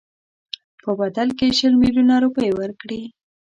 په بدل کې شل میلیونه روپۍ ورکړي.